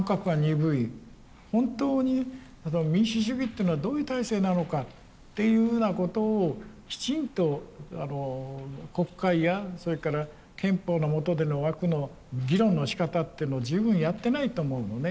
本当に民主主義っていうのはどういう体制なのかというふうなことをきちんと国会やそれから憲法の下での枠の議論のしかたっていうのを十分やってないと思うのね。